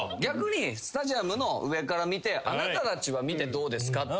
逆にスタジアムの上から見てあなたたちは見てどうですか？